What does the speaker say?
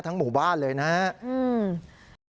หมู่บ้านเลยนะครับ